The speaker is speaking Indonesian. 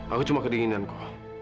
aku cuma kedinginan ko